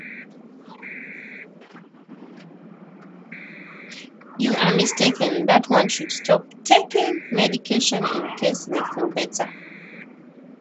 You are mistaken that one should stop taking medication in case they feel better.